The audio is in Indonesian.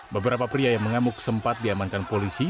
beberapa pria yang mengamuk sempat diamankan polisi